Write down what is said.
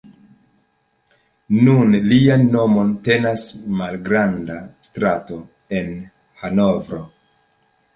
Nun lian nomon tenas malgranda strato en Hanovro.